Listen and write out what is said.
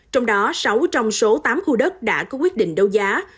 trong đó sáu trong số tám khu đất đã có quyết định đấu giá